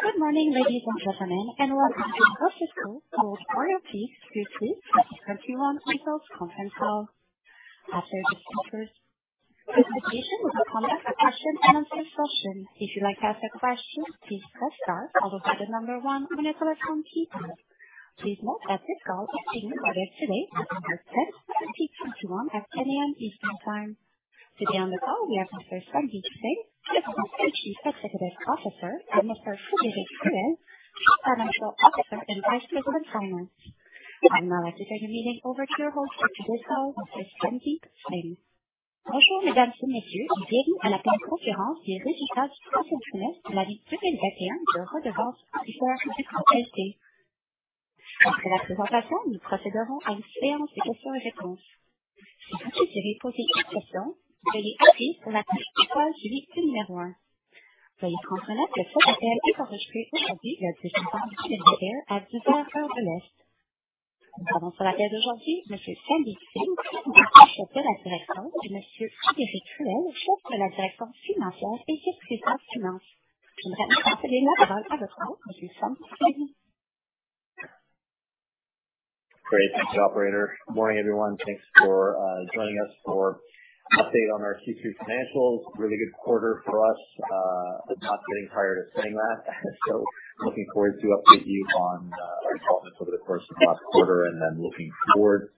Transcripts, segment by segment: Good morning, ladies, and gentlemen, and welcome to Osisko Gold Royalties Q3 2021 Results Conference Call. After the speakers' presentation there will be a Q&A session. If you'd like to ask a question, please press star followed by one on your telephone keypad. Please note that this call is being recorded today, December 10th, 2021 at 10:00 A.M. Eastern Time. Today on the call, we have Mr. Sandeep Singh, President and Chief Executive Officer, and Mr. Frédéric Ruel, Chief Financial Officer and Vice President, Finance. I'd now like to turn the meeting over to your host for today's call, Mr. Sandeep Singh. Great. Thank you, Operator. Morning, everyone. Thanks for joining us for update on our Q3 financials. Really good quarter for us. Not getting tired of saying that. Looking forward to update you on our developments over the course of last quarter and then looking forward.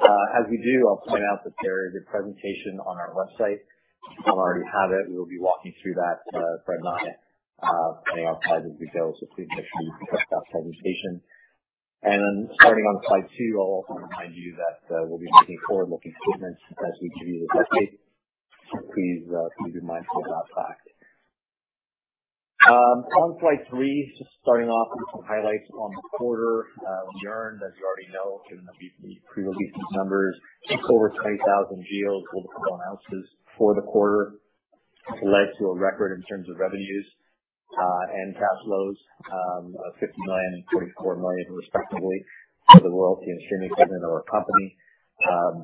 As we do, I'll point out that there is a presentation on our website. If you don't already have it, we will be walking through that throughline, putting on slides as we go. Please make sure you check that presentation. Starting on slide two, I'll also remind you that we'll be making forward-looking statements as we give you this update. Please be mindful of that fact. On slide three, just starting off with some highlights on the quarter, we earned, as you already know, given that we've been pre-releasing these numbers, over 20,000 GEOs for the quarter. Led to a record in terms of revenues and cash flows, 50 million and 24 million respectively for the Royalty and Streaming segment of our company.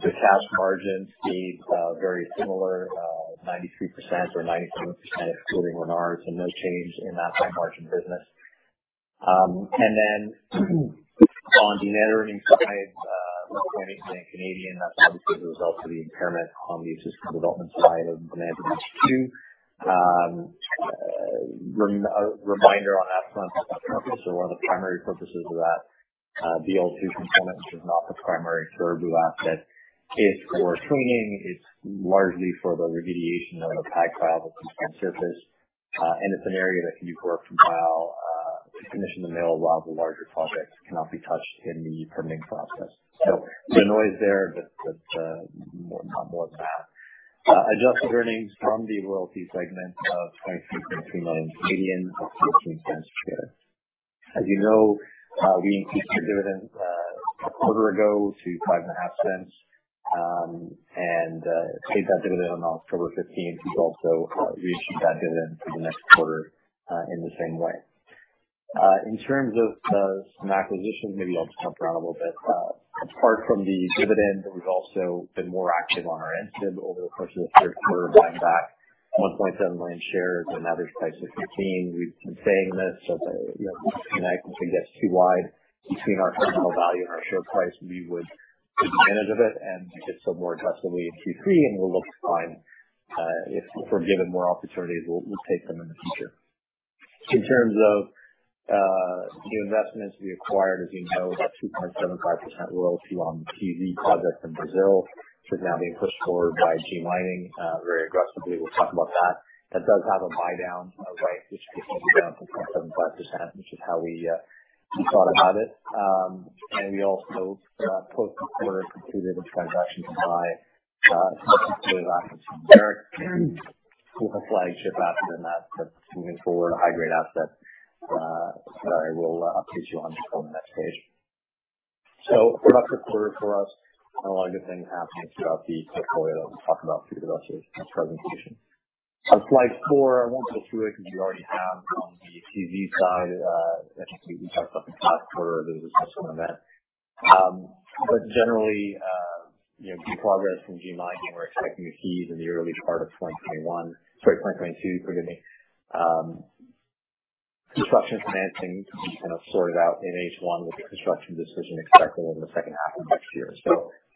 The cash margins stayed very similar, 93% or 94% excluding Renard, and no change in that type margin business. On the net earnings side, low CAD 20 million. That's obviously the result of the impairment on the existing development side of the Bonanza Ledge II. Reminder on that front, that's also one of the primary purposes of that BL II component, which is not the primary Cariboo asset. It's for cleaning. It's largely for the remediation of a big pile that's on surface. It's an area that can be worked to commission the mill while the larger projects cannot be touched in the permitting process. The noise there, that's no more than that. Adjusted earnings from the royalty segment of 23.2 million or 0.14 per share. As you know, we increased our dividend a quarter ago to 0.055, and paid that dividend on October 15th. We also reissued that dividend for the next quarter in the same way. In terms of some acquisitions, maybe I'll just jump around a little bit. Apart from the dividend, we've also been more active on our end than ever over the course of the third quarter, buying back 1.7 million shares for 15 million. We've been saying this, you know, if the disconnect gets too wide between our fundamental value and our share price, we would take advantage of it. Did so more aggressively in Q3, and we'll look to find if we're given more opportunities, we'll take them in the future. In terms of new investments, we acquired, as you know, that 2.75% royalty on the TZ project in Brazil, which is now being pushed forward by G Mining very aggressively. We'll talk about that. That does have a buy down, right, which could take it down from 0.75%, which is how we thought about it. We also, post the quarter, completed a transaction to buy selected assets from Barrick, who have flagship assets in that set, moving forward, high-grade assets, that I will update you on just on the next page. Productive quarter for us. A lot of good things happening throughout the portfolio that we'll talk about through the rest of this presentation. On slide four, I won't go through it because we already have. On the TZ side, as you can see, we talked up in the last quarter. There was a special event. Generally, you know, good progress from G Mining. We're expecting a feed in the early part of 2021. Sorry, 2022, forgive me. Construction financing to be kind of sorted out in H1, with the construction decision expected over the second half of next year.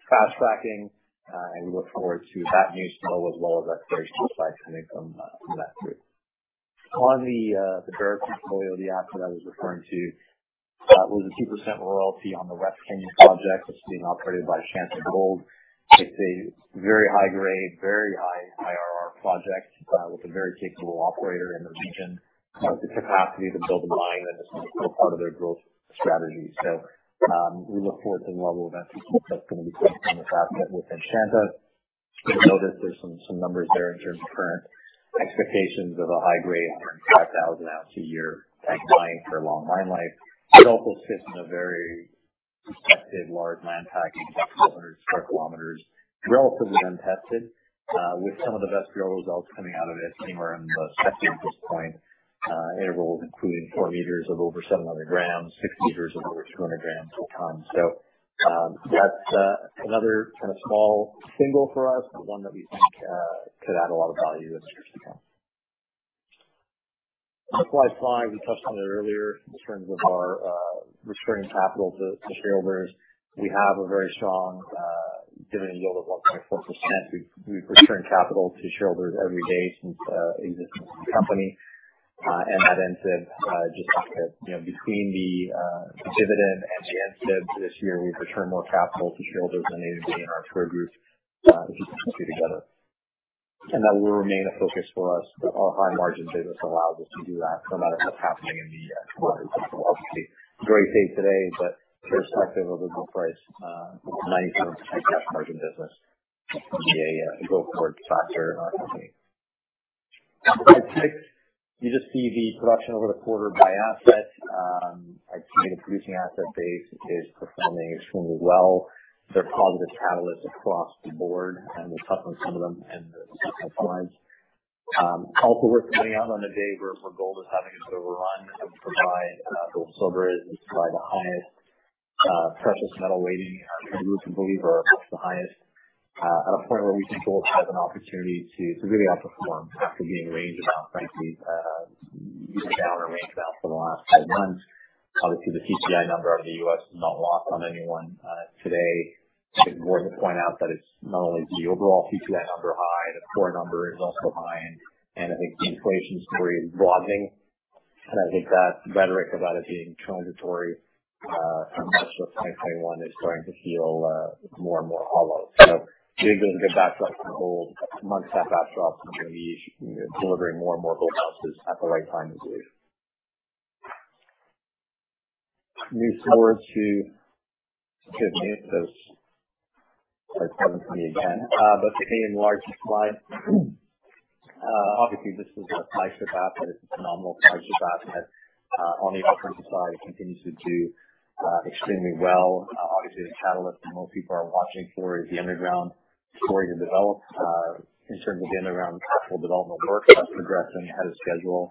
Fast tracking, and we look forward to that national as well as exploration insights and income, from that group. On the Barrick portfolio, the asset I was referring to was a 2% royalty on the West Kenya project, which is being operated by Shanta Gold. It's a very high grade, very high IRR project, with a very capable operator in the region. The capacity to build a mine, that is still part of their growth strategy. We look forward to the level of entry that's gonna be placed on this asset with Shanta. You'll notice there's some numbers there in terms of current expectations of a high grade, around 5,000 oz a year mine for a long mine life. It also sits in a very prospective large land package, 200 sq km, relatively untested, with some of the best drill results coming out of it anywhere in the sector at this point. Intervals including 4 m of over 700 g, 6 m of over 200 g a tonne. That's another kind of small single for us, but one that we think could add a lot of value as years to come. Slide five, we touched on it earlier in terms of our returning capital to shareholders. We have a very strong dividend yield of 1.4%. We've returned capital to shareholders every day since existing as a company. That NCIB, just to between the dividend and the NCIB this year, we've returned more capital to shareholders than they did in our core group, put the two together. That will remain a focus for us. Our high margin business allows us to do that. No matter what's happening in the broader stock market. Great day today, but irrespective of the gold price, 90% high cash margin business will be a go-forward factor in our company. Slide six. You just see the production over the quarter by asset. Our Canadian producing asset base is performing extremely well. There are positive catalysts across the board, and we'll touch on some of them in the subsequent slides. Also worth pointing out on a day where gold is having its overrun, we provide the highest precious metal weighting. I believe our books are highest at a point where we think gold has an opportunity to really outperform after being range bound, frankly, down or range bound for the last eight months. Obviously, the CPI number out of the U.S. is not lost on anyone today. It's important to point out that it's not only the overall CPI number is high, the core number is also high. I think the inflation story is broadening. I think that rhetoric about it being transitory from much of 2021 is starting to feel more and more hollow. Gold is a good backstop. Meant to backstop is gonna be delivering more and more gold ounces at the right time of the year. Excuse me, it says slide seven for me again. That's the largest slide. Obviously this is a type of asset. It's a phenomenal type of asset. On the operating side, it continues to do extremely well. Obviously the catalyst that most people are watching for is the underground story to develop in terms of the underground capital development work that's progressing ahead of schedule.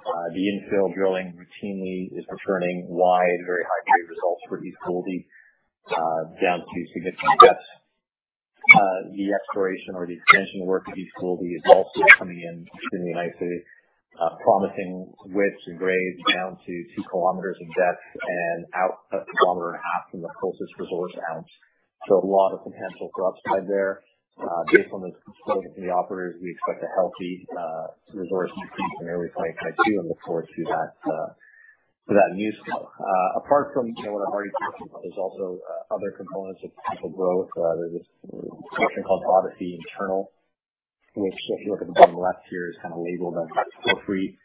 The infill drilling routinely is returning wide, very high grade results for East Gouldie down to significant depths. The exploration or the expansion work at East Gouldie is also coming in extremely nicely, promising widths and grades down to 2 km in depth and out 1.5 km from the closest resource zone. A lot of potential growth there. Based on those components and the operators, we expect a healthy resource increase in early 2022 and look forward to that news. Apart from, you know, what I've already talked about, there's also other components of potential growth. There's this section called Odyssey Internal, which if you look at the bottom left here, is kind of labeled as porphyry.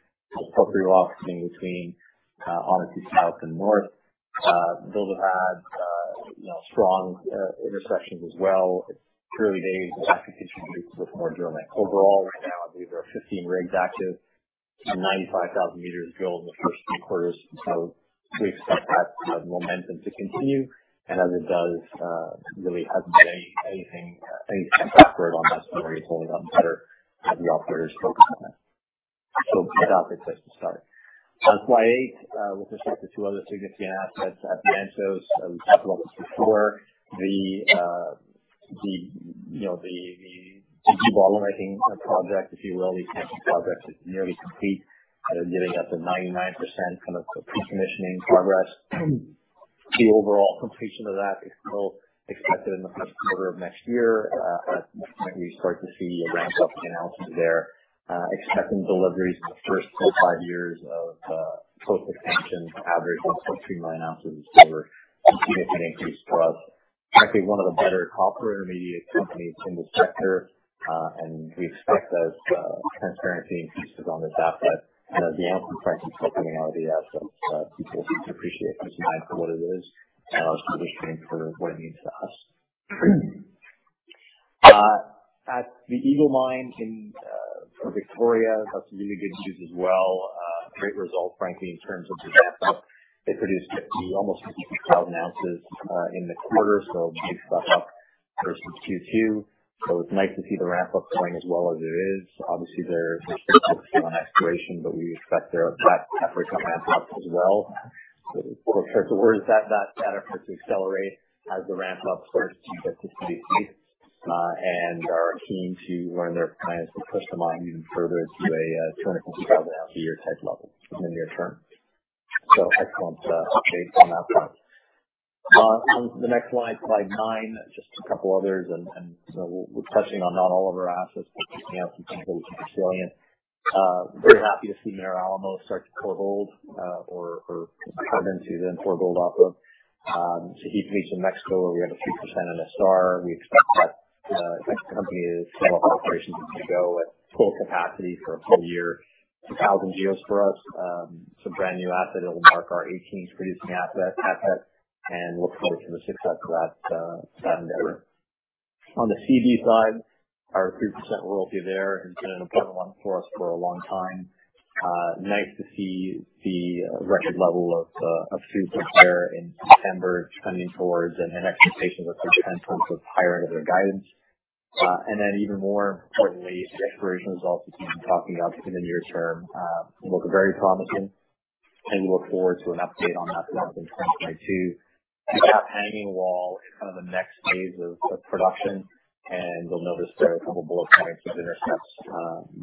Porphyry rock sitting between Odyssey South and North. Those have had, you know, strong intersections as well. It's early days. Expectation is with more drilling. Overall, right now, I believe there are 15 rigs active and 95,000 m drilled in the first three quarters. We expect that momentum to continue. As it does, really hasn't been any setback on that story. It's only gotten better as the operator has focused on that. Good topics just to start. On slide eight, with respect to two other significant assets at Mantos, as we've talked about this before, the, you know, the debottlenecking project, if you will, these types of projects is nearly complete. They're getting up to 99% kind of pre-commissioning progress. The overall completion of that is still expected in the first quarter of next year. At that point, we start to see a ramp up in ounces there, expecting deliveries in the first full five years of post expansion to average 1.39 oz a quarter. A significant increase for us. Actually one of the better copper intermediate companies in the sector. We expect those transparency increases on this asset. You know, the ounces and price expecting out of the asset, people appreciate for what it is, as well as paying for what it means to us. The Eagle Gold Mine in Victoria has some really good news as well. Great result, frankly, in terms of the ramp-up. They produced 50,000, almost 52,000 oz in the quarter. Big step up versus Q2. It's nice to see the ramp up going as well as it is. Obviously, they're still focusing on exploration, but we expect that effort to ramp up as well. We'll see that effort to accelerate as the ramp up starts to get up to speed, and are keen to learn their plans to push the mine even further to a 200,000 oz a year type level in the near term. Excellent update on that front. On the next slide nine. Just a couple others. We're touching on not all of our assets, but pointing out some things that we think are salient. Very happy to see Minera Alamos start to pour gold, or intend to pour gold off of Santana in Mexico, where we have a 3% NSR. We expect that company to sell off operations as we go at full capacity for a full year. It's 1,000 GEOs for us. It's a brand new asset. It'll mark our 18th producing asset, and we'll close with a success for that endeavor. On the CSA side, our 3% royalty there has been a good one for us for a long time. Nice to see the record level of throughput there in September trending towards and expectations of some 10% of higher end of their guidance. Then even more importantly, exploration results we've been talking about in the near term look very promising. We look forward to an update on that in 2022. We've got Hanging Wall in kind of the next phase of production, and you'll notice there are a couple of bullet points of intercepts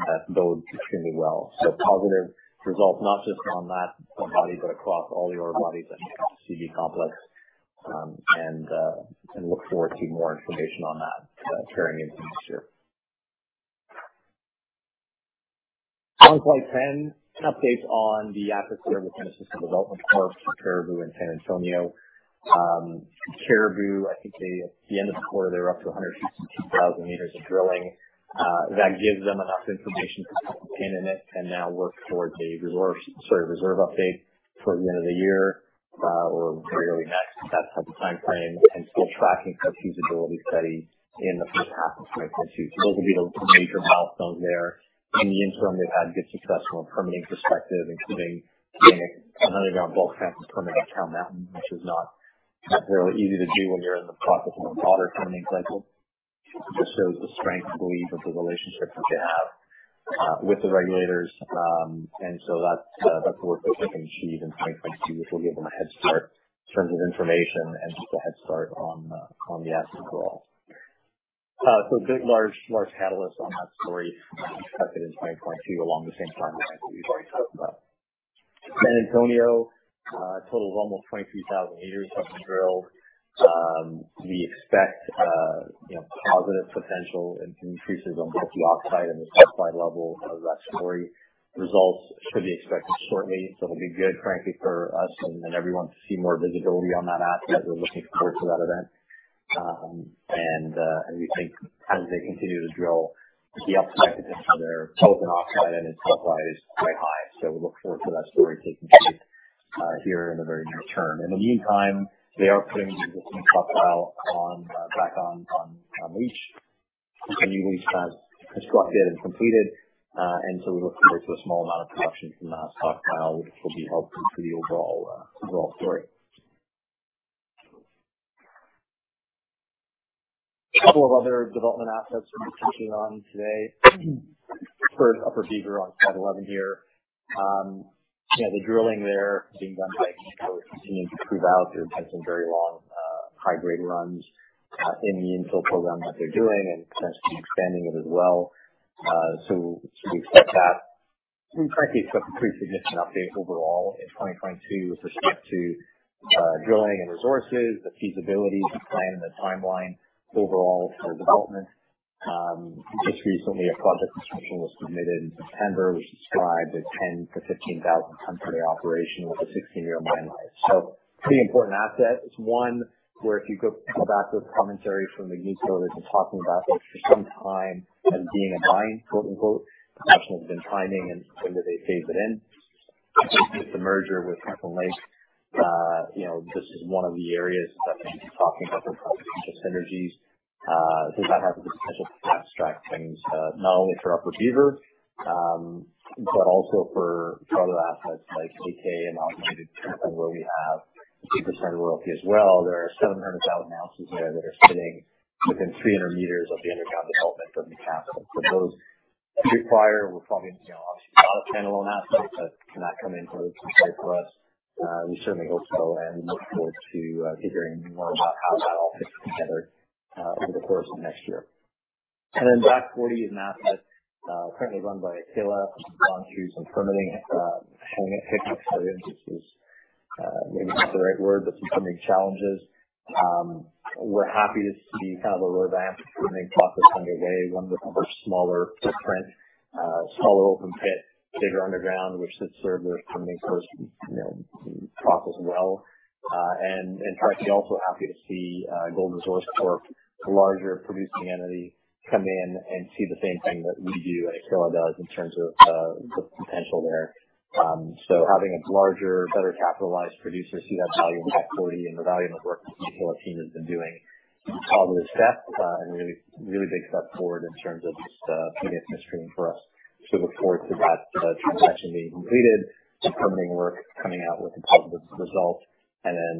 that bode extremely well. Positive results, not just on that ore body, but across all the ore bodies at the Seabee complex. Look forward to more information on that, carrying into this year. On slide 10, an update on the assets that are in the kind of system development part, so Cariboo and San Antonio. Cariboo, I think at the end of the quarter, they're up to 162,000 m of drilling. That gives them enough information to put a pin in it and now work towards a resource, sort of reserve update towards the end of the year, or very early next. That type of timeframe. Still tracking a feasibility study in the first half of 2022. Those will be the major milestones there. In the interim, they've had good success from a permitting perspective, including getting an underground bulk sample permit at Cow Mountain, which is not necessarily easy to do when you're in the process of a broader permitting cycle. It just shows the strength, I believe, of the relationships that they have with the regulators. That's a work that they can achieve in 2022, which will give them a head start in terms of information and just a head start on the asset overall. Good large catalyst on that story expected in 2022 along the same timeline that we've already talked about. San Antonio, a total of almost 23,000 m have been drilled. We expect, you know, positive potential increases on both the oxide and the sulfide level of that story. Results should be expected shortly, so it'll be good, frankly, for us and then everyone to see more visibility on that asset. We're looking forward to that event. We think as they continue to drill, the upside potential there, both in oxide and in sulfide is quite high. We look forward to that story taking shape here in the very near term. In the meantime, they are putting the existing stockpile back on leach. The new leach pad is constructed and completed. We're looking forward to a small amount of production from that stockpile, which will be helpful to the overall story. A couple of other development assets we're touching on today. First, Upper Beaver on slide 11 here. You know, the drilling there being done by Agnico continues to prove out. They're testing very long, high-grade runs in the infill program that they're doing and potentially expanding it as well. We expect that. Frankly, it's a pretty significant update overall in 2022 with respect to drilling and resources, the feasibility, the plan, the timeline overall for development. Just recently a project description was submitted in September, which described a 10,000 ton-15,000 ton per day operation with a 16-year mine life. Pretty important asset. It's one where if you go back to the commentary from the news releases talking about this for some time as being a mine, quote unquote, the question has been timing and when do they phase it in. I think with the merger with Kirkland Lake, you know, this is one of the areas that they've been talking about for potential synergies. I think that has the potential to fast-track things, not only for Upper Beaver, but also for other assets like AK and Amalgamated Kirkland, where we have a 50% royalty as well. There are 700,000 oz there that are sitting within 300 m of the underground development from the capital. Those, if required, we're probably, you know, obviously not a panel on that site, but can come into it straight to us. We certainly hope so and look forward to hearing more about how that all fits together over the course of next year. Back Forty is an asset currently run by Aquila, who's gone through some permitting hang ups, I guess, maybe not the right word, but some permitting challenges. We're happy to see kind of a revamped permitting process underway, one that covers smaller footprint, smaller open pit, bigger underground, which should serve the permitting process well. Frankly, also happy to see Gold Resource Corp, a larger producing entity, come in and see the same thing that we do and Aquila does in terms of the potential there. Having a larger, better capitalized producer see that value in Back Forty and the value in the work the whole team has been doing is a positive step, and really, really big step forward in terms of just, keeping it in the stream for us. Look forward to that transaction being completed, the permitting work coming out with a positive result, and then,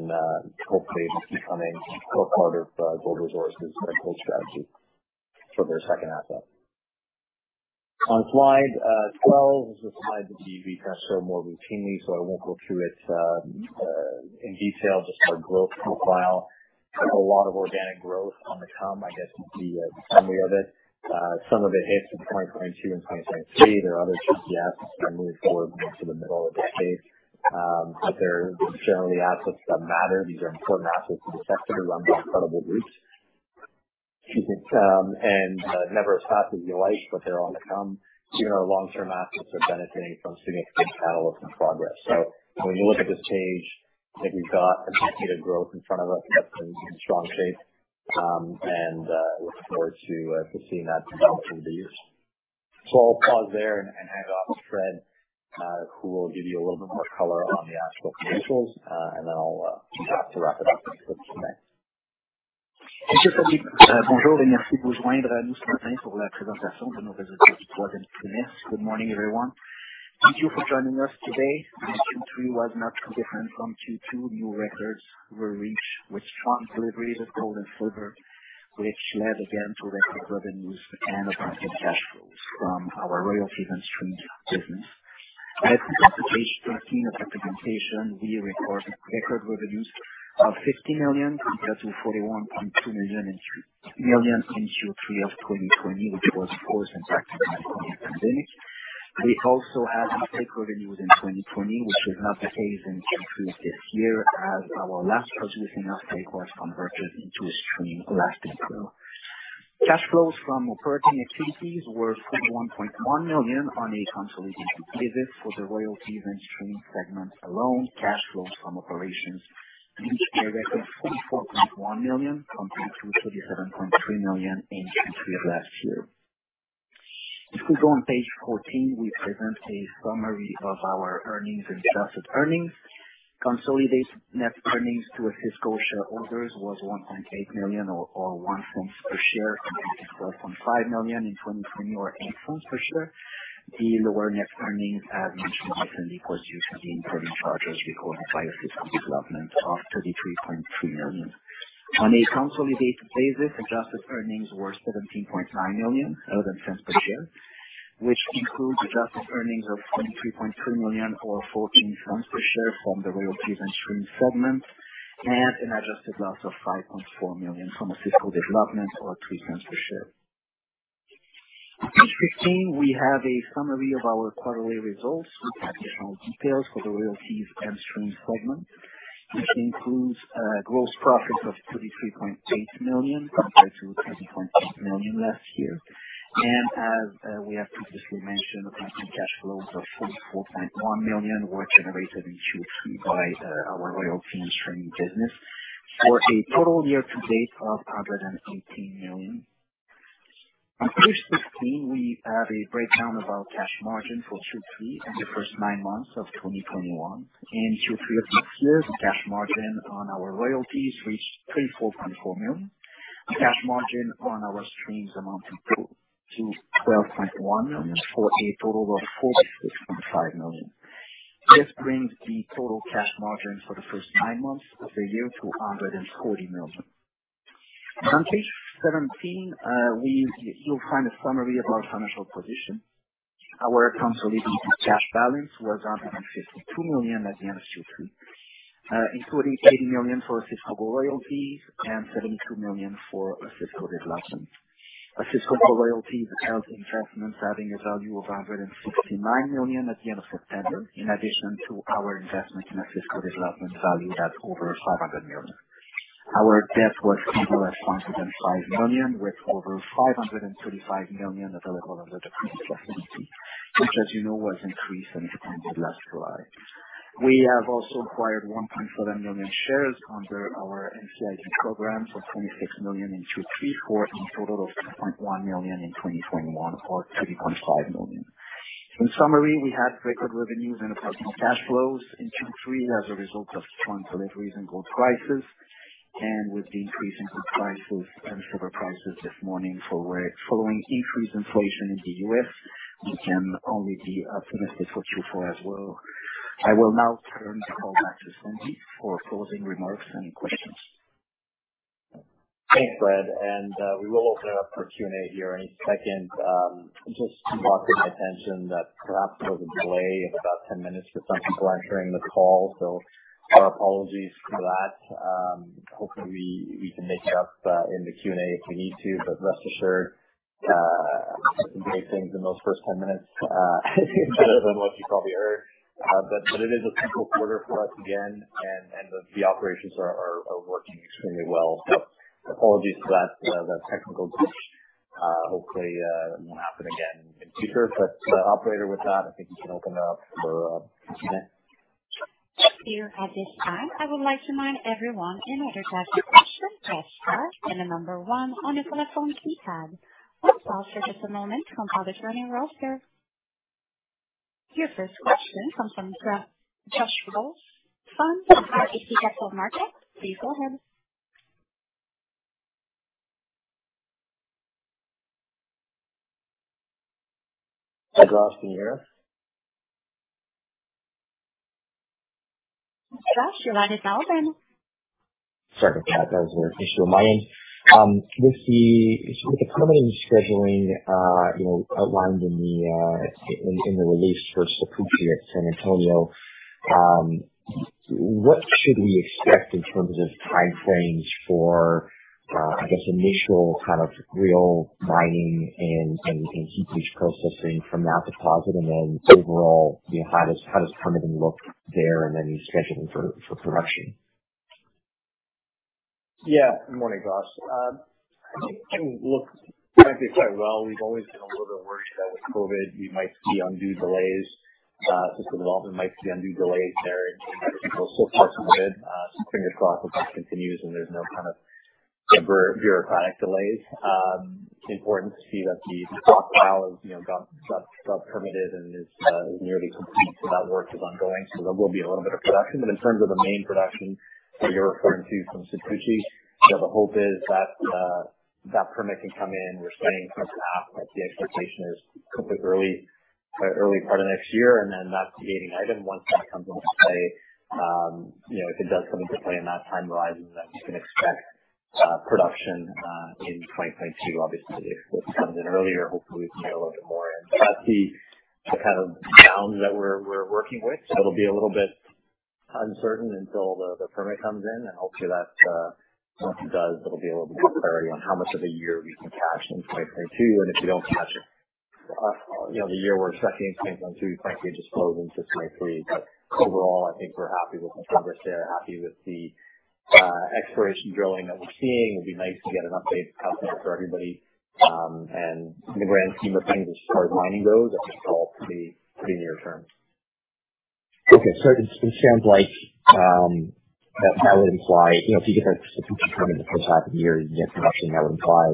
hopefully just becoming a core part of Gold Resource's kind of gold strategy for their second asset. On slide 12, this is a slide that we kind of show more routinely, so I won't go through it in detail, just our growth profile. A lot of organic growth on the come, I guess, is the summary of it. Some of it hits in 2022 and 2023. There are other key assets that are moved forward more to the middle of the decade. But they're generally assets that matter. These are important assets to the sector run by incredible groups. Never as fast as you like, but they're on the come. These are our long-term assets that benefit from seeing a good catalyst and progress. When you look at this page, I think we've got a decade of growth in front of us that's in strong shape, and look forward to seeing that develop through the years. I'll pause there and hand it off to Fred, who will give you a little bit more color on the actual financials, and then I'll kick it off to wrap it up and take some Q&A. Good morning, everyone. Thank you for joining us today. Q3 was not too different from Q2. New records were reached with strong deliveries of gold and silver, which led again to record revenues and operating cash flows from our royalties and streaming business. As per the presentation, slide 13 of the presentation, we recorded record revenues of 50 million compared to 41.2 million in Q3 of 2020, which was of course impacted by the COVID pandemic. We also had a peak revenue in 2020, which was not the case in Q3 this year as our last producing uptake was converted into a stream last April. Cash flows from operating activities were 41.1 million on a consolidated basis for the royalties and stream segment alone. Cash flows from operations reached a record of 44.1 million, compared to 37.3 million in Q3 of last year. If we go on page 14, we present a summary of our earnings and adjusted earnings. Consolidated net earnings to our fiscal shareholders was 1.8 million or 0.01 per share, compared to 12.5 million in 2020 or 0.08 Per share. The lower net earnings, as mentioned recently, was due to the impairment charges recorded by our Osisko Development of 33.3 million. On a consolidated basis, adjusted earnings were 17.9 million, 0.11 per share, which includes adjusted earnings of 23.3 million or 0.14 per share from the royalties and stream segment, and an adjusted loss of 5.4 million from Osisko Development or 0.03 per share. On page 15, we have a summary of our quarterly results with additional details for the royalties and stream segment, which includes gross profits of 33.8 million compared to 20.8 million last year. As we have previously mentioned, operating cash flows of 44.1 million were generated in Q3 by our royalty and streaming business for a total year-to-date of 118 million. On page 16, we have a breakdown of our cash margin for Q3 and the first nine months of 2021. In Q3 of this year, the cash margin on our royalties reached 34.4 million. The cash margin on our streams amounted to 12.1 million for a total of 46.5 million. This brings the total cash margin for the first nine months of the year to 140 million. On page 17, you'll find a summary of our financial position. Our consolidated cash balance was 152 million at the end of Q3, including 80 million for our Osisko Gold Royalties and 72 million for our Osisko Development. Our Osisko Gold Royalties held investments having a value of 169 million at the end of September, in addition to our investment in our Osisko Development valued at over 500 million. Our debt was stable at 105 million, with over 535 million available under the principal facility, which as you know, was increased and expanded last July. We have also acquired 1.7 million shares under our NCIB program for 26 million in Q3 for a total of 2.1 million in 2021, or 30.5 million. In summary, we have record revenues and operating cash flows in Q3 as a result of strong deliveries and gold prices. With the increase in gold prices and silver prices this morning following increased inflation in the U.S., we can only be optimistic for Q4 as well. I will now turn the call back to Sandy for closing remarks and questions. Thanks, Fred. We will open it up for Q&A here any second. Just to my attention that perhaps there was a delay of about 10 minutes for some people entering the call. Our apologies for that. Hopefully we can make it up in the Q&A if we need to, but rest assured, we did some great things in those first 10 minutes, better than what you probably heard. It is a typical quarter for us again and the operations are working extremely well. Apologies for that technical glitch. Hopefully that won't happen again in future. Operator with that, I think you can open it up for Q&A. Sure. At this time, I would like to remind everyone, in order to ask a question, press star then the number one on your telephone keypad. Your first question comes from Josh Wolfson from RBC Capital Markets. Please go ahead. Hi, Josh. Can you hear us? Josh, your line is open. Sorry about that. That was an issue on my end. With the permitting scheduling, you know, outlined in the release for Sapuchi at San Antonio, what should we expect in terms of time frames for, I guess, initial kind of real mining and in-situ processing from that deposit and then overall, you know, how does permitting look there and any scheduling for production? Yeah. Good morning, Josh. I think I mean, look, frankly, quite well, we've always been a little bit worried that with COVID we might see undue delays. Since the development might be undue delays there and people still stuck with COVID. Fingers crossed that that continues and there's no kind of further bureaucratic delays. Important to see that the stockpile has, you know, got permitted and is nearly complete. That work is ongoing. There will be a little bit of production. In terms of the main production that you're referring to from Sapuchi, you know, the hope is that that permit can come in. We're saying kind of half, like the expectation is complete early part of next year, and then that's the gating item. Once that comes into play, you know, if it does come into play on that time horizon, then you can expect production in 2022. Obviously, if this comes in earlier, hopefully we can get a little bit more in. That's the kind of bounds that we're working with. It'll be a little bit uncertain until the permit comes in. Hopefully that once it does, it'll be a little bit more clarity on how much of a year we can catch in 2022. If we don't catch it, you know, the year we're expecting in 2022, we frankly just flow it into 2023. Overall, I think we're happy with the progress there and, happy with the exploration drilling that we're seeing. It'd be nice to get an update out there for everybody. In the grand scheme of things, as far as mining goes, that's all pretty near term. Okay. It sounds like that would imply, you know, if you get that specific permit in the first half of the year, you get production, that would imply,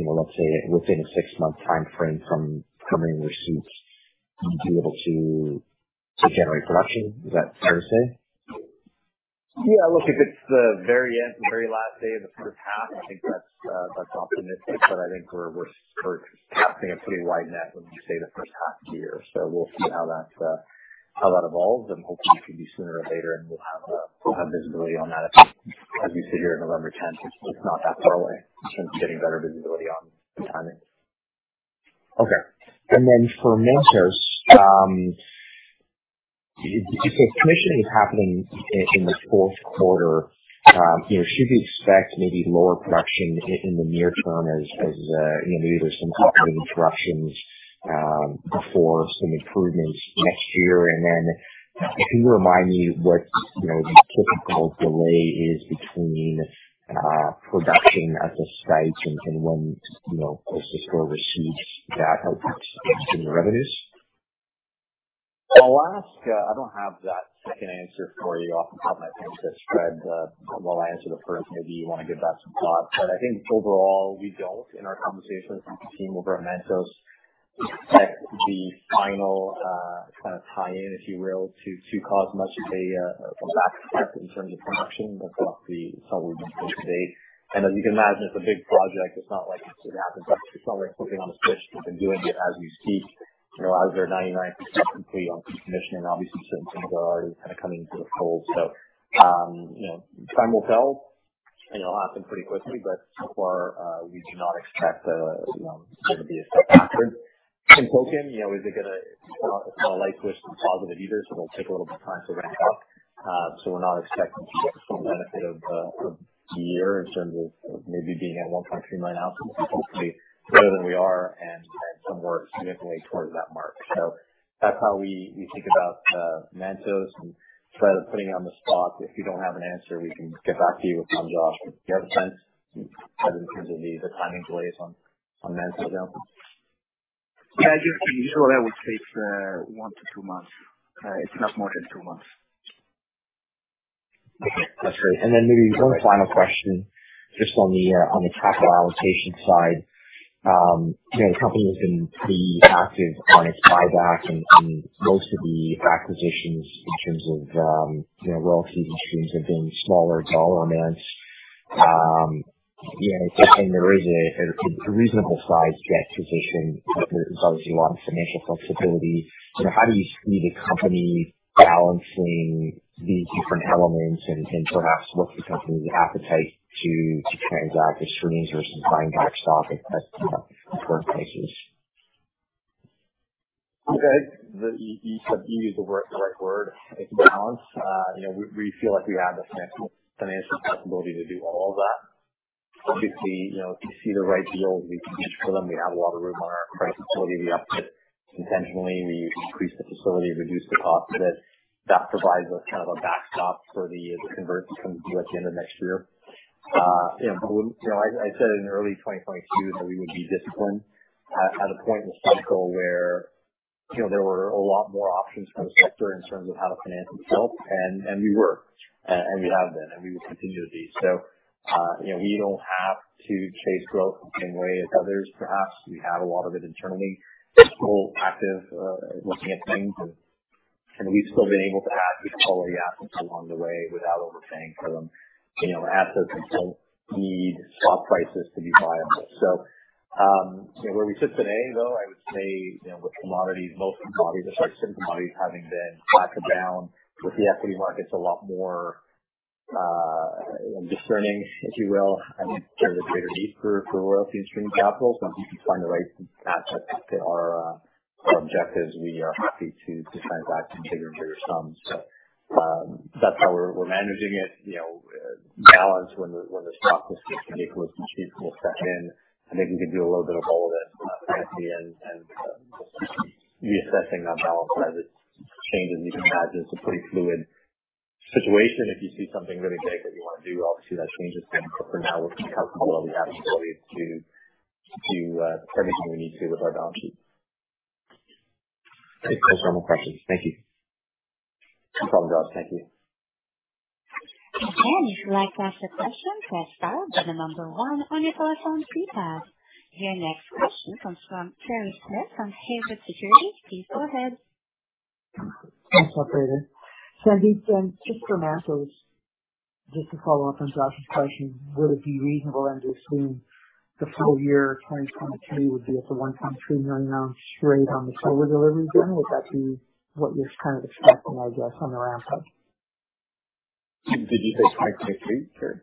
you know, let's say within a six-month timeframe from permitting receipts, you'd be able to to generate production. Is that fair to say? Yeah. Look, if it's the very end and very last day of the first half, I think that's optimistic. I think we're casting a pretty wide net when we say the first half of the year. We'll see how that evolves. Hopefully it could be sooner or later, and we'll have visibility on that as we sit here on November tenth, it's not that far away in getting better visibility on the timing. Okay. Then for Mantos, if commissioning is happening in the fourth quarter, you know, should we expect maybe lower production in the near term as you know, maybe there's some operating interruptions before some improvements next year? Then can you remind me what, you know, the typical delay is between production at the site and when, you know, first cash receipts that help in the revenues? I'll ask, I don't have that second answer for you off the top of my head to spread, while I answer the first. Maybe you wanna give that some thought. I think overall, we don't, in our conversations with the team over at Mantos, expect the final, kind of tie-in, if you will, to cause much of a back effect in terms of production. That's roughly how we've been thinking to date. As you can imagine, it's a big project. It's not like it happens like the flip of a switch. They've been doing it as you speak. You know, as they're 99% complete on commissioning, obviously certain things are already kinda coming into the fold. You know, time will tell, and it'll happen pretty quickly. So far, we do not expect them to be a step backward. In context, you know, we think it's not a light switch to positive either, so it'll take a little bit of time to ramp up. So we're not expecting to get the full benefit of the year in terms of maybe being at a 100% stream online. Hopefully better than we are and we'll work significantly towards that mark. That's how we think about Mantos. Sorry for putting you on the spot. If you don't have an answer, we can get back to you with one, Josh. Do you have a sense in terms of the timing delays on Mantos ounces? Yeah, just the usual. It would take one to two months. It's not more than two months. Okay. That's great. Maybe one final question just on the capital allocation side. You know, the company has been pretty active on its buyback and most of the acquisitions in terms of you know, royalties and streams have been smaller dollar amounts. You know, and there is a reasonable size debt position, but there's obviously a lot of financial flexibility. You know, how do you see the company balancing these different elements and perhaps what's the company's appetite to transact the streams versus buying back stock as important cases? Okay. You said you used the word, the right word. It's balance. You know, we feel like we have the financial flexibility to do all of that. Obviously, you know, if we see the right deals, we compete for them. We have a lot of room on our credit facility. We upped it intentionally. We increased the facility to reduce the cost of it. That provides us kind of a backstop for the converts that come due at the end of next year. You know, but I said it in early 2022 that we would be disciplined at a point in the cycle where, you know, there were a lot more options for the sector in terms of how to finance themselves, and we were. We have been, and we will continue to be. You know, we don't have to chase growth the same way as others perhaps. We have a lot of it internally. Still active, looking at things and we've still been able to add quality assets along the way without overpaying for them. You know, our assets don't need spot prices to be viable. You know, where we sit today, though, I would say, you know, with commodities, most commodities, apart from certain commodities having been flat to down, with the equity markets a lot more discerning, if you will, I think there's a greater need for royalty and streaming capital. If we find the right assets that fit our objectives, we are happy to transact in bigger and bigger sums. That's how we're managing it. You know, balance when the stock just gets ridiculous and cheap, we'll step in. I think we could do a little bit of all of it frankly, and just reassessing that balance as it changes. As you can imagine, it's a pretty fluid situation. If you see something really big that you wanna do, obviously that changes things. For now, we're pretty comfortable that we have the ability to do everything we need to with our balance sheet. Okay. There's no more questions. Thank you. No problem, Josh. Thank you. Your next question comes from Kerry Smith from Haywood Securities. Please go ahead. Thanks, Operator. Sandeep, just to clarify, just to follow up on Josh's question, would it be reasonable then to assume the full year 2023 would be at the 1.3 million oz rate on the royalty delivery then? Would that be what you're kind of expecting, I guess, on the ramp-up? Did you say 2023, Kerry?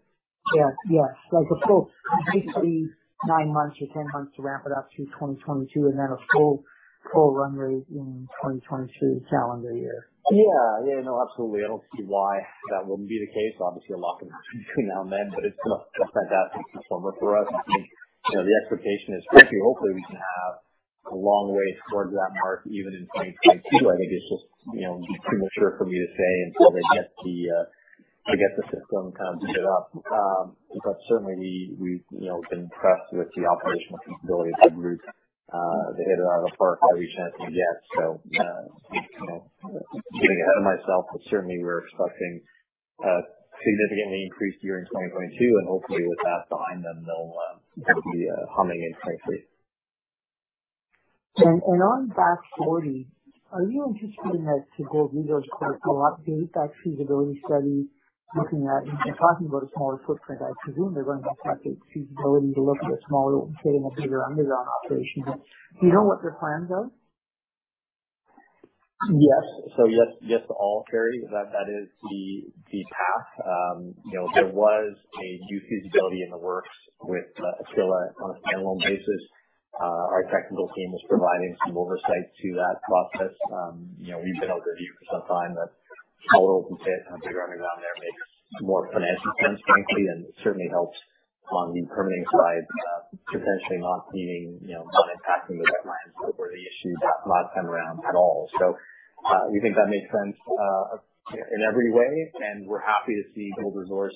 Yes, yes. Like a full basically nine months or 10 months to ramp it up through 2022 and then a full run rate in 2023 calendar year. Yeah. Yeah, no, absolutely. I don't see why that wouldn't be the case. Obviously, a lot can happen between now and then, but it's gonna look like that for us. I think, you know, the expectation is frankly, hopefully, we can have a long way towards that mark even in 2022. I think it's just, you know, would be premature for me to say until they get the system kind of set up. Certainly we've, you know, been impressed with the operational capabilities of that group, they hit out of the park every chance they get. So, you know, getting ahead of myself, but certainly we're expecting a significantly increased year in 2022, and hopefully with that behind them they'll be humming in 2023. And on Back Forty, are you anticipating that the Gold Resource Corp will update that feasibility study looking at. They're talking about a smaller footprint. I presume they're going back to that feasibility to look at a smaller, getting a bigger underground operation then. Do you know what their plans are? Yes. Yes, yes to all, Kerry. That is the path. You know, there was a new feasibility in the works with Aquila on a standalone basis. Our technical team was providing some oversight to that process. You know, we've been on review for some time, but running around there made more financial sense, frankly, and certainly helps on the permitting side, potentially not needing, you know, not impacting the wetlands that were the issue that last time around at all. We think that made sense in every way, and we're happy to see Gold Resource,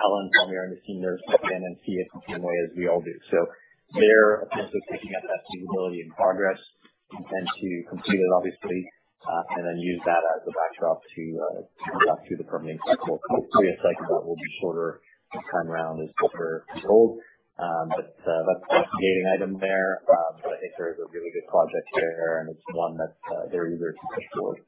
Allen Palmiere and the senior team there step in and see it the same way as we all do. They're effectively picking up that feasibility in progress, intend to complete it obviously, and then use that as the backdrop to adapt to the permitting cycle. It's clear a cycle that will be shorter this time around is better for gold. That's an item there. I think there is a really good project here, and it's one that they're eager to push forward.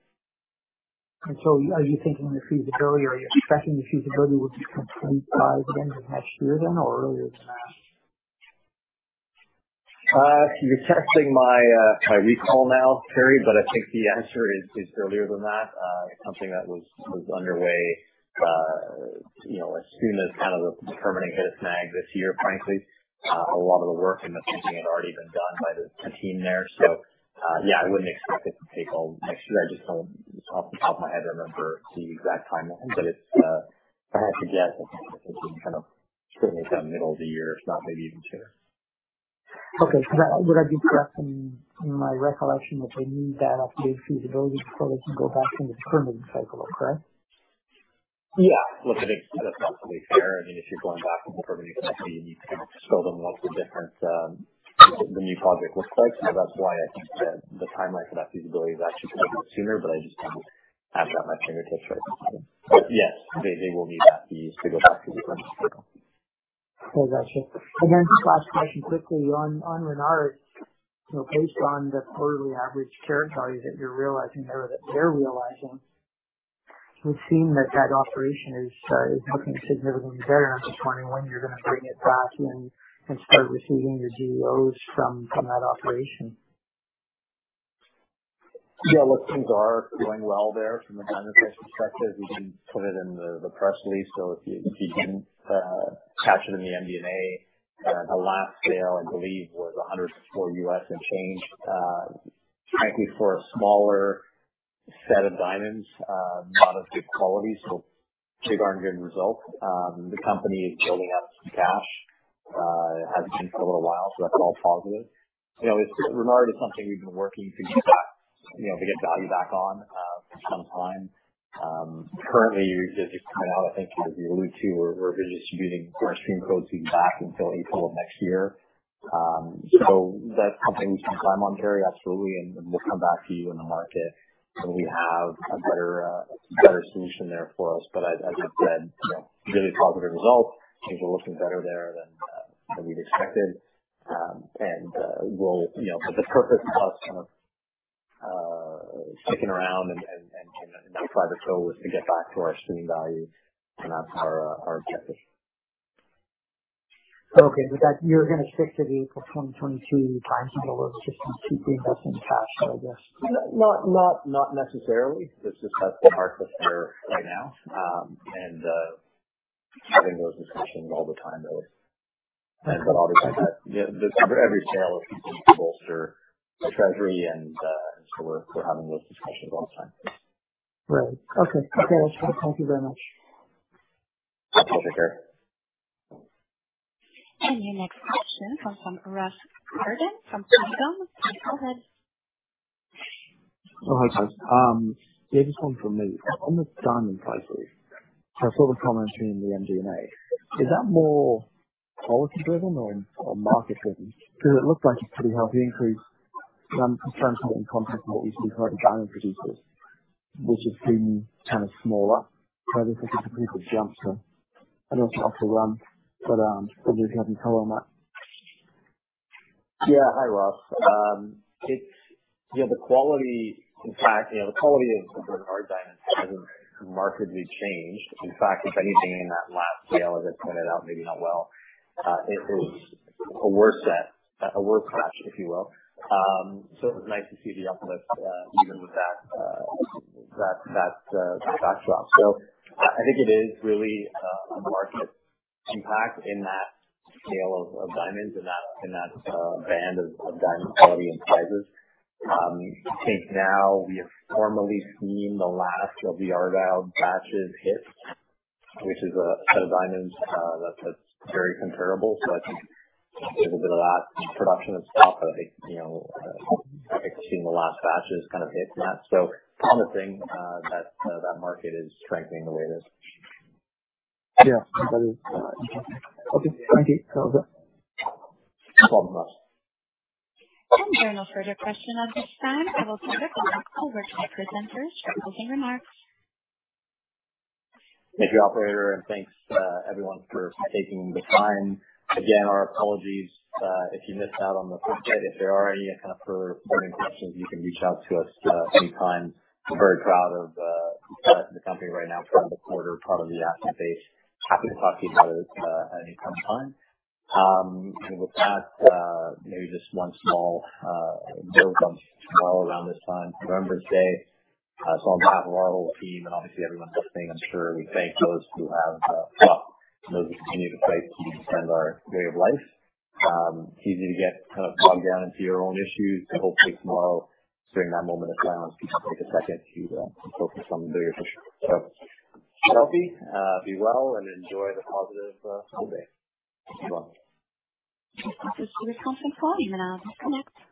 Are you thinking the feasibility or are you expecting the feasibility would be complete by the end of next year then or earlier than that? You're testing my recall now, Kerry, but I think the answer is earlier than that. Something that was underway, you know, as soon as kind of the permitting hit a snag this year, frankly. A lot of the work and the thinking had already been done by the team there. Yeah, I wouldn't expect it to take all next year. I just don't, off the top of my head, remember the exact timeline, but if I had to guess, I'd think it would kind of certainly be that middle of the year, if not maybe even sooner. Would I be correct in my recollection that they need that updated feasibility before they can go back into the permitting cycle, correct? Yeah. Look, I think that's absolutely fair. I mean, if you're going back on the permitting definitely you need to kind of show them what the different, what the new project looks like. That's why I think that the timeline for that feasibility is actually gonna be sooner, but I just don't have that at my fingertips right this second. Yes, they will need that piece to go back to the. I got you. Just last question quickly on Renard, you know, based on the quarterly average carat value that you're realizing there, that they're realizing, we've seen that that operation is looking significantly better when you're gonna bring it back in and start receiving the GEOs from that operation. Yeah. Look, things are going well there from a diamond price perspective. We didn't put it in the press release, so if you didn't catch it in the MD&A, the last sale I believe was $104 and change. Frankly, for a smaller set of diamonds, not as good quality, so still aren't getting results. The company is building up some cash. It hasn't been for a little while, so that's all positive. You know, it's Renard is something we've been working to get back, you know, to get value back on, for some time. Currently we're just kind of I think as we allude to, we're redistributing our stream proceeds back until April of next year. That's something we can climb on, Kerry, absolutely, and we'll come back to you in the market when we have a better solution there for us. As I've said, you know, really positive results. Things are looking better there than we'd expected. The purpose of sticking around and that private sale was to get back to our stream value. That's our objective. Okay. With that, you're gonna stick to the April 2022 timetable of just to keep the investment in cash then, I guess? Not necessarily. It's just that's the market there right now. Having those discussions all the time though. I'll be quite happy. You know, there's every sale is looking to bolster the treasury, so we're having those discussions all the time. Right. Okay. Thank you very much. My pleasure, Kerry. Your next question comes from Ross Cardon from Polygon. Please go ahead. Oh, hi. Yeah, just one from me. On the diamond prices, I saw the commentary in the MD&A. Is that more quality driven or market driven? Because it looks like a pretty healthy increase. I'm just trying to put it in context of what you see for other diamond producers, which has been kind of smaller. This is a pretty good jump. I know it's off the run, but I wonder if you have any color on that. Yeah. Hi, Ross. Yeah, the quality, in fact, you know, the quality of the Renard diamonds hasn't markedly changed. In fact, if anything, in that last sale, as I pointed out, maybe not, well, it is a worse set, a worse batch, if you will. So it was nice to see the uplift, even with that drop. I think it is really a market impact in that sale of diamonds, in that band of diamond quality and sizes. I think now we have formally seen the last of the Argyle batches hit, which is a set of diamonds, that's very comparable. I think there's a bit of that production and stuff. I think, you know, seeing the last batch is kind of it in that. Promising, that market is strengthening the way it is. Yeah, that is, interesting. Okay, thank you. Sounds good. No problem, Ross. There are no further questions at this time. I will turn the call back over to presenters for closing remarks. Thank you, Operator. Thanks, everyone for taking the time. Again, our apologies if you missed out on the first bit. If there are any kind of further burning questions, you can reach out to us anytime. I'm very proud of the talent in the company right now, proud of the quarter, proud of the asset base. Happy to talk to you about it at any time. With that, maybe just one small build on tomorrow around this time, Remembrance Day. On behalf of our whole team, and obviously everyone's listening, I'm sure we thank those who have well, those who continue to play a key role in our way of life. It's easy to get kind of bogged down into your own issues and hopefully tomorrow during that moment of silence, you can take a second to focus on the bigger picture. Stay healthy, be well and enjoy the positive holiday. Bye. That concludes today's conference call. You may now disconnect.